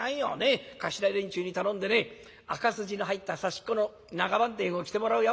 頭連中に頼んでね赤筋の入った刺子の長半纏を着てもらうよ。